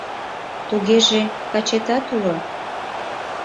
— Тугеже, качетат уло?